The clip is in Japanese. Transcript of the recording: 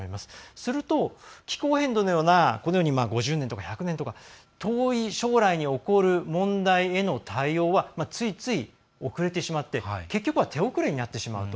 すると、気候変動のような５０年とか１００年とか遠い将来に起こる問題への対応は、ついつい遅れてしまって結局は手遅れになってしまうと。